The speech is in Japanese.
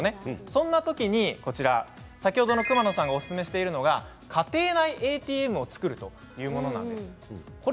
そんなときに先ほどの熊野さんがおすすめしているのが家庭内ＡＴＭを作るというものなんです。